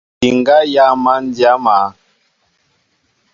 Ediŋga yááŋ măn dya maá.